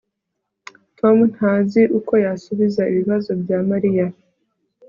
tom ntazi uko yasubiza ibibazo bya mariya